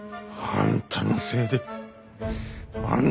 あんたのせいで。